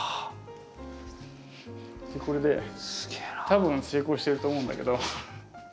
多分成功してると思うんだけど。